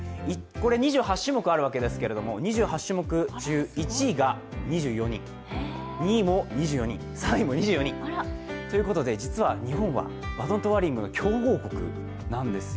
２８種目あるわけですが、２８種目中１位が２４人、２位も２４人、３位も２４年、ということで日本はバトントワリング強豪国なんです。